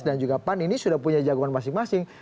dan juga pan ini sudah punya jagoan masing masing